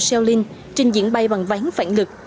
xeo linh trình diễn bay bằng ván phản lực